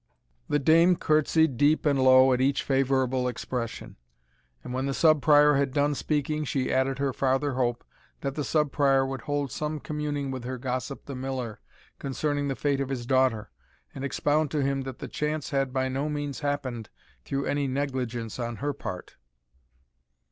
The dame curtsied deep and low at each favourable expression; and when the Sub Prior had done speaking, she added her farther hope that the Sub Prior would hold some communing with her gossip the Miller, concerning the fate of his daughter, and expound to him that the chance had by no means happened through any negligence on her part.